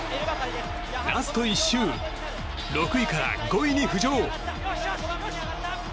ラスト１周６位から５位に浮上！